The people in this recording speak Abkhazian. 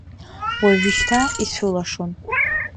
Уажәышьҭа ицәылашон.